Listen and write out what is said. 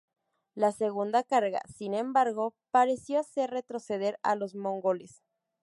La segunda carga, sin embargo, pareció hacer retroceder a los mongoles.